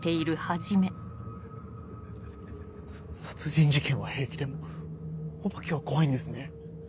さ殺人事件は平気でもお化けは怖いんですね。